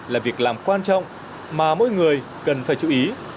là việc làm quan trọng mà mỗi người cần phải chú ý